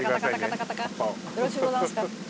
よろしゅうございますか？